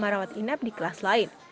kamar rawat inap di kelas lain